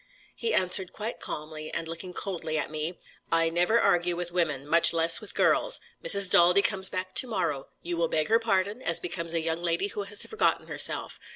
He answered quite calmly, and looking coldly at me: "I never argue with women. Much less with girls. Mrs. Daldy comes back to morrow. You will beg her pardon, as becomes a young lady who has forgotten herself.